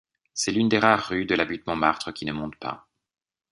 C’est l’une des rares rues de la butte Montmartre qui ne monte pas.